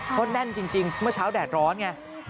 เพราะแน่นจริงเมื่อเช้าแดดร้อนไง